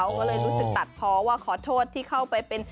ก็เลยรู้สึกตัดพอว่าขอโทษที่เข้าไปเป็น